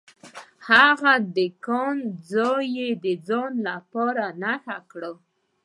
هغه د کان ځای د ځان لپاره په نښه کړ.